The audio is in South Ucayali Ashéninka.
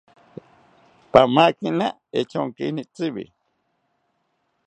Pamakina echonkini tziwi